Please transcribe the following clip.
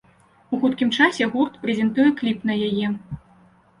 У хуткім часе гурт прэзентуе кліп на яе.